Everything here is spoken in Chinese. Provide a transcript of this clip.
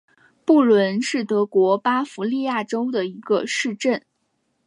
布伦是德国巴伐利亚州的一个市镇。